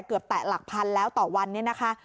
เกือบแต่หลักพันแล้วต่อวันนี้นะคะ